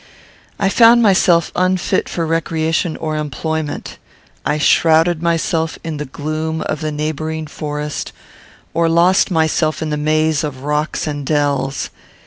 I found myself unfit for recreation or employment. I shrouded myself in the gloom of the neighbouring forest, or lost myself in the maze of rocks and dells.